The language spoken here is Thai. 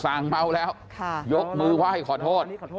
สั่งเมาแล้วยกมือว่าให้ขอโทษ